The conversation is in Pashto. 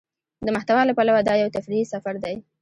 د محتوا له پلوه دا يو تفريحي سفر دى.